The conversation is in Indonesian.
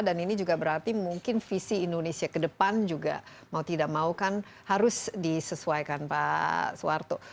dan ini juga berarti mungkin visi indonesia ke depan juga mau tidak mau kan harus disesuaikan pak suharto